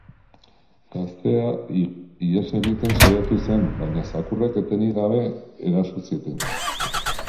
Gaztea ihes egiten saiatu zen, baina zakurrek etenik gabe eraso zieten.